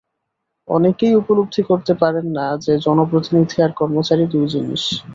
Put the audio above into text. অনেকেই উপলব্ধি করতে পারেন না যে জনপ্রতিনিধি আর কর্মচারী দুই জিনিস।